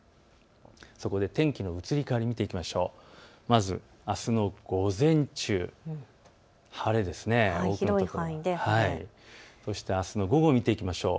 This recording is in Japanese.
そこで天気の移り変わりを見ていきましょう。